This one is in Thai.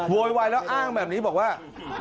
โวยวายแล้วอ้างแบบนี้บอกว่า